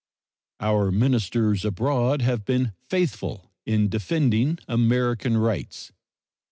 Our ministers abroad have been faithful in defending American rights.